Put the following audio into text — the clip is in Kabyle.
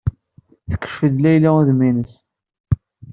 Tekcef-d Layla udem-nnes.